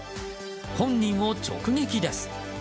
本人を直撃です。